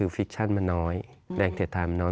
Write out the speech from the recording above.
ฟิชชั่นมันน้อยแรงเสียดทานมันน้อย